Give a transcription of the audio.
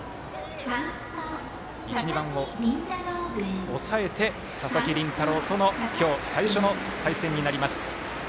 １、２番を抑えて佐々木麟太郎との今日、最初の対戦になります。